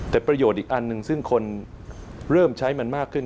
แต่ประโยชน์อีกอันหนึ่งซึ่งคนเริ่มใช้มันมากขึ้น